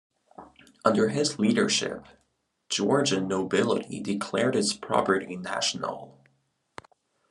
Under his leadership, Georgian nobility declared its property national.